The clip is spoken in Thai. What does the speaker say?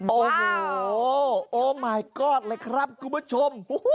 โอ้โหโอมายกอดเลยครับคุณผู้ชม